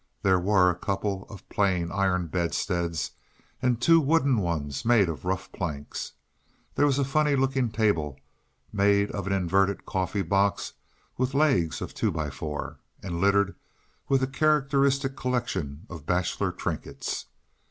There were a couple of plain, iron bedsteads and two wooden ones made of rough planks. There was a funny looking table made of an inverted coffee box with legs of two by four, and littered with a characteristic collection of bachelor trinkets.